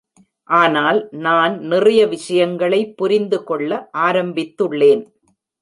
ஆனால் நான் நிறைய விஷயங்களை புரிந்து கொள்ள ஆரம்பித்துள்ளேன்.